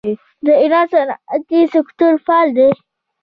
د ایران صنعتي سکتور فعال دی.